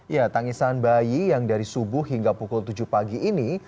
ya tangisan bayi yang dari subuh hingga pukul tujuh pagi ini